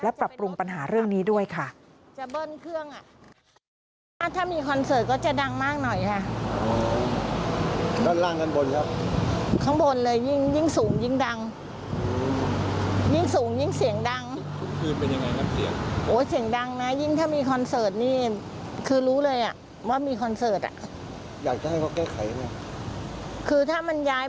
ปรับปรุงปัญหาเรื่องนี้ด้วยค่ะ